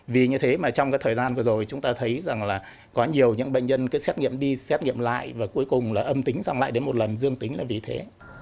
vì như thế mà trong cái thời gian vừa rồi chúng ta thấy rằng là có nhiều những bệnh nhân cứ xét nghiệm đi xét nghiệm lại và cuối cùng là âm tính xong lại đến một lần dương tính là vì thế